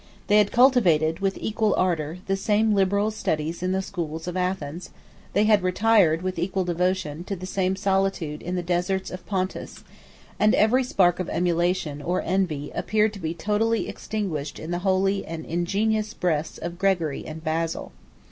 They had cultivated, with equal ardor, the same liberal studies in the schools of Athens; they had retired, with equal devotion, to the same solitude in the deserts of Pontus; and every spark of emulation, or envy, appeared to be totally extinguished in the holy and ingenuous breasts of Gregory and Basil.